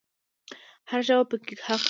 هر ژبه پکې حق لري